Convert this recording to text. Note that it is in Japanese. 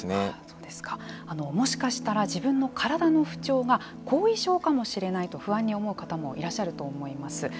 もしかしたら自分の体の不調が後遺症かもしれないと不安に思う方もいらっしゃると思います。